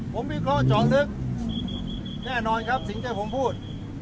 ผมวิเคราะห์เจาะลึกแน่นอนครับสิ่งที่ผมพูด